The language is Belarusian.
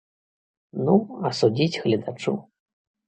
Ну, а судзіць гледачу.